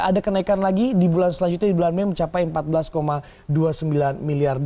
ada kenaikan lagi di bulan selanjutnya di bulan mei mencapai empat belas tujuh